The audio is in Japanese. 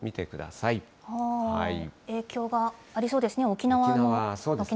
影響がありそうですね。